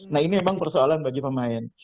nah ini memang persoalan bagi pemain